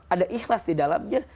ada ikhlas di dalamnya